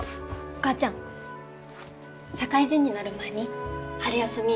お母ちゃん社会人になる前に春休み